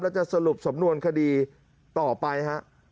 แล้วจะสรุปสำนวนคดีต่อไปฮะ